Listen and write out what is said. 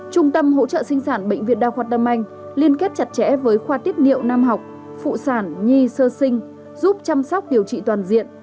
trung tâm hỗ trợ sinh sản bệnh viện đa khoa tâm anh liên kết chặt chẽ với khoa tiết niệu nam học phụ sản nhi sơ sinh giúp chăm sóc điều trị toàn diện